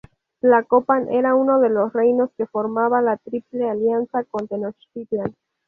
Tlacopan era uno de los reinos que formaban la Triple Alianza con Tenochtitlán.